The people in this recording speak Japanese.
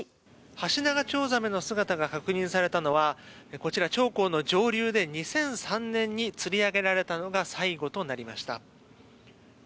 ハシナガチョウザメの姿が確認されたのはこちら長江の上流で２００３年に釣り上げられたのが最後となりました。